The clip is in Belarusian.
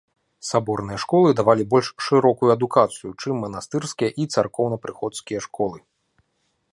Саборныя школы давалі больш шырокую адукацыю, чым манастырскія і царкоўнапрыходскія школы.